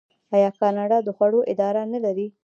آیا کاناډا د خوړو اداره نلري؟